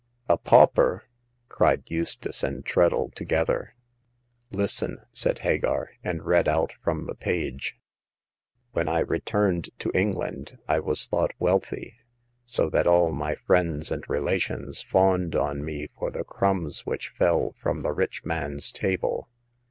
" A pauper !" cried Eustace and Treadle together. Listen !'* said Hagar, and read out from the page :" When I returned to England I was thought wealthy, so that all my friends and re lations fawned on me for the crumbs which fell from the rich man's table.